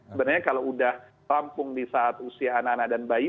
sebenarnya kalau udah rampung di saat usia anak anak dan bayi